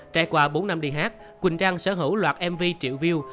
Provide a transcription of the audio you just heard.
trải qua bốn năm đi hát quỳnh trang sở hữu loạt mv triệu view